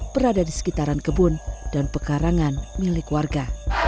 berada di sekitaran kebun dan pekarangan milik warga